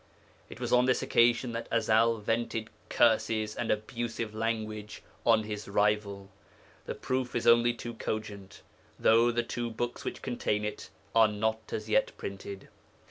It was on this occasion that Ezel vented curses and abusive language on his rival. The proof is only too cogent, though the two books which contain it are not as yet printed.